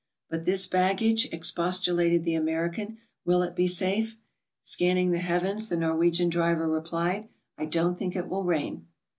"But this baggage," expostulated the American, "will it be safe?" Scanning the heavens, the Norwegian driver replied: "I don't think it will rain."